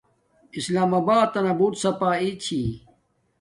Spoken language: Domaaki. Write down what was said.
اسلام آباتنا بوت ساپاݵی چھی